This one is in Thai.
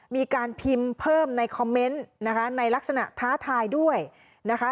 มีการพิมพ์เพิ่มในคอมเมนต์นะคะในลักษณะท้าทายด้วยนะคะ